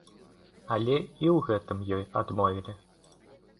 Але і ў гэтым ёй адмовілі.